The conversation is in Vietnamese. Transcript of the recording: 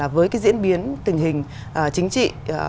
với cái diễn biến tình hình chính trị